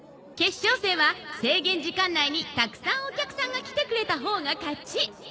決勝戦は制限時間内にたくさんお客さんが来てくれたほうが勝ち。